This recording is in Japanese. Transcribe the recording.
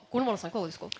いかがですか？